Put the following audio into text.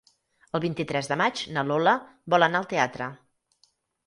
El vint-i-tres de maig na Lola vol anar al teatre.